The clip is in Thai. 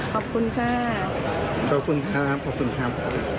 ขอบคุณครับขอบคุณครับ